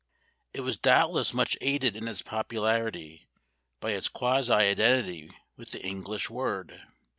It was doubtless much aided in its popularity by its quasi identity with the English word.